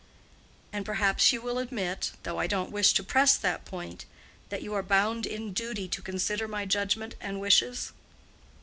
"And perhaps you will admit—though I don't wish to press that point—that you are bound in duty to consider my judgment and wishes?"